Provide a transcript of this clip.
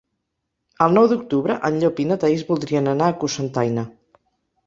El nou d'octubre en Llop i na Thaís voldrien anar a Cocentaina.